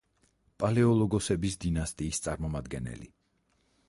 პალეოლოგოსების დინასტიის წარმომადგენელი.